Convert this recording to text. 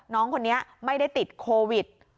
น้องคนนี้ไม่ได้ติดโควิด